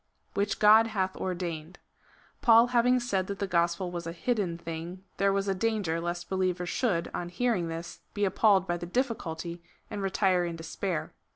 Which God hath ordained. Paul having said that the gospel was a hidden thing, there was a danger lest believers should, on hearing this, be appalled by the difficulty, and retire in despair.